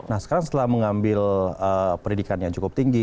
nah sekarang setelah mengambil pendidikan yang cukup tinggi